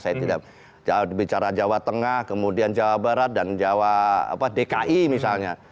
saya tidak bicara jawa tengah kemudian jawa barat dan jawa dki misalnya